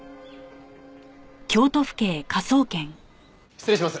失礼します。